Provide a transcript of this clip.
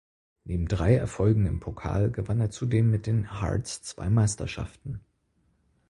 Neben drei Erfolgen im Pokal gewann er zudem mit den Hearts zwei Meisterschaften.